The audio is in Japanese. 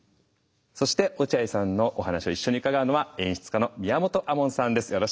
そして落合さんのお話を一緒に伺うのは演出家の宮本亞門さんです。